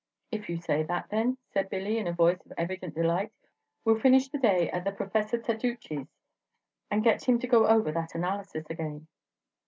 "If you say that, then," said Billy, in a voice of evident delight, "we'll finish the day at the Professor Tadeucci's, and get him to go over that analysis again."